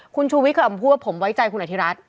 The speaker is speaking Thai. คุณชูวิทย์ออกมาพูดว่าผมไว้ใจคุณอธิรัฐ